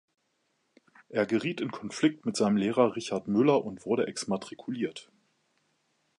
Er geriet in Konflikt mit seinem Lehrer Richard Müller und wurde exmatrikuliert.